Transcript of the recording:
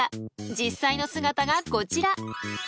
実際の姿がこちら。